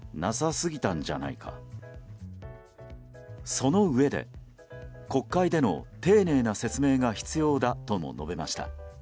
そのうえで、国会での丁寧な説明が必要だとも述べました。